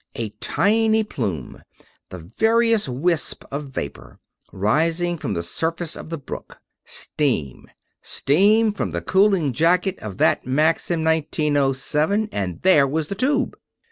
A tiny plume the veriest wisp of vapor, rising from the surface of the brook. Steam! Steam from the cooling jacket of that Maxim 1907! And there was the tube!